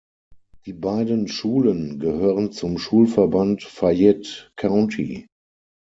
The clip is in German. Die beiden Schulen gehören zum Schulverband Fayette County.